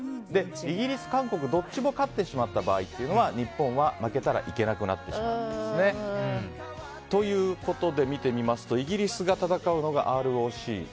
イギリス、韓国どっちも勝ってしまった場合日本は負けたら行けなくなってしまいますね。ということで見てみますとイギリスが戦うのがＲＯＣ。